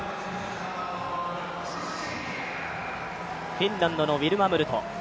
フィンランドのウィルマ・ムルト。